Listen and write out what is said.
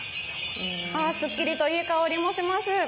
すっきりといい香りもします。